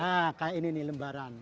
nah kayak ini lembaran